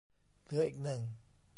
เหลืออีกหนึ่ง